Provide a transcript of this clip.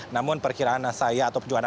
namun perkiraan saya atau perjuangan